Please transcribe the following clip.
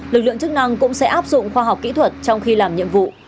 lực lượng chức năng cũng sẽ áp dụng khoa học kỹ thuật trong khi làm nhiệm vụ